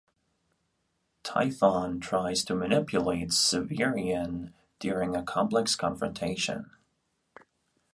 Typhon tries to manipulate Severian during a complex confrontation.